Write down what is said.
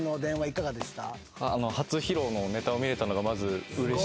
いかがでした？